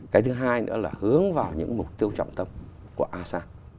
cái thứ hai nữa là hướng vào những mục tiêu trọng tâm của asean